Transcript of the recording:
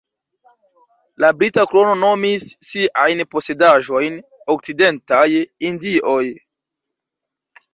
La Brita Krono nomis siajn posedaĵojn Okcidentaj Indioj.